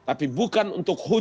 tapi bukan untuk hukum